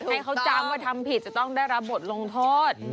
ให้เขาจำว่าทำผิดจะต้องได้รับบทลงโทษ